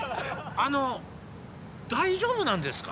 あの大丈夫なんですか？